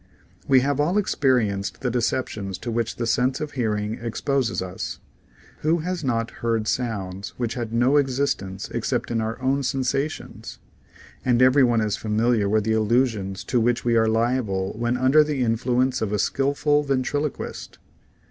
We have all experienced the deceptions to which the sense of hearing exposes us. Who has not heard sounds which had no existence except in our own sensations ? And every one is familiar with the illusions to which we are liable when under the influence of a skilful ventrilo quist.